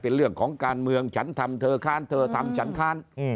เป็นเรื่องของการเมืองฉันทำเธอค้านเธอทำฉันค้าน